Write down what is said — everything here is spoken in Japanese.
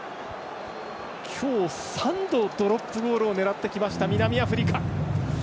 今日３度、ドロップゴールを狙ってきました、南アフリカ。